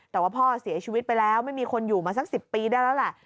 แต่ว่าพ่อเสียชีวิตไปแล้วไม่มีคนอยู่มาสัก๑๐ปีได้แล้วแหละ